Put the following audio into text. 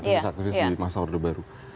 terus aktivis di masa orde baru